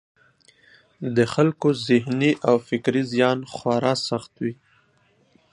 د خلکو ذهني او فکري زیان خورا سخت وي.